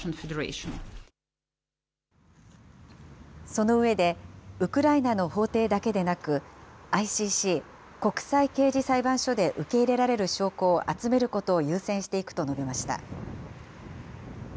その上で、ウクライナの法廷だけでなく、ＩＣＣ・国際刑事裁判所で受け入れられる証拠を集めることを優先していくと述べました。